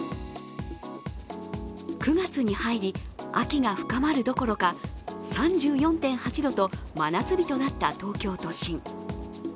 ９月に入り、秋が深まるどころか３４．８度と真夏日となった東京都心。